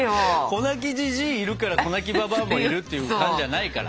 子泣きじじいいるから子泣きばばあもいるっていう感じじゃないから。